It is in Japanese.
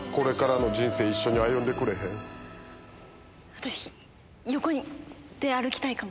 私横で歩きたいかも。